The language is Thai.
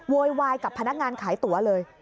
โวยวายกับพนักงานขายตั๋วเลย